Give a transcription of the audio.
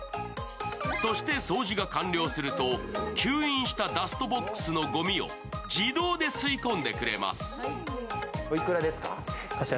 そして掃除が完了すると吸引したダストボックスのごみを自動で吸い込んでくれます。